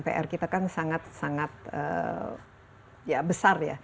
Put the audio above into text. pr kita kan sangat sangat ya besar ya